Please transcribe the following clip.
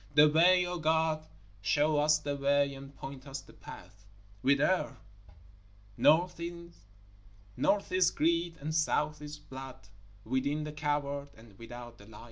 The way, O God, show us the way and point us the path. Whither? North is greed and South is blood; within, the coward, and without, the liar.